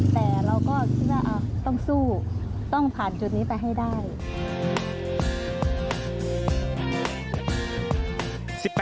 แต่เราก็คิดว่าต้องสู้ต้องผ่านจุดนี้ไปให้ได้